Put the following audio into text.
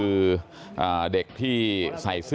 มต้นหนาเอาไปดูคลิปก่อนครับ